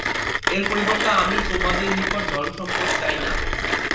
এর পরিবর্তে আমি তোমাদের নিকট ধন-সম্পদ চাই না।